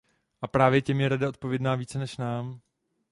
A právě těm je Rada odpovědná, více než nám.